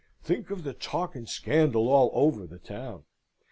Think of the talk and scandal all over the town!